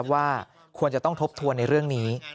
ว่าควรจะต้องทบทวนในเรื่องนี้